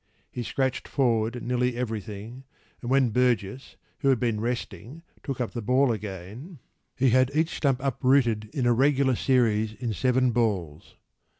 He scratched forward at nearly everything, and when Burgess, who had been resting, took up the ball again, he had each stump uprooted in a regular series in seven balls.